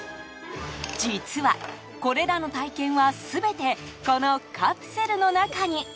実は、これらの体験は全てこのカプセルの中に。